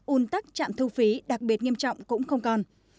un tắc trạm thu phí đặc biệt nghiêm trọng cũng không còn